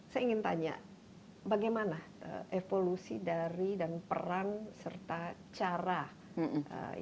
saya ingin tanya bagaimana evolusi dari dan peran serta cara indonesia memainkan kepentingan dunia